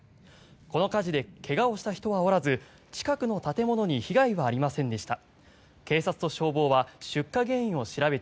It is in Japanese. この火事で怪我をした人はおらず近くの建物に被害はありませんでした。